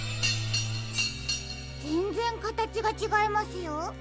ぜんぜんかたちがちがいますよ。